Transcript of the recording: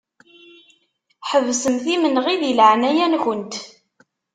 Ḥebsemt imenɣi di leɛnaya-nkent.